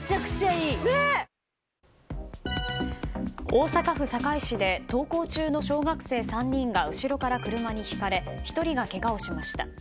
大阪府堺市で登校中の小学生３人が後ろから車にひかれ１人がけがをしました。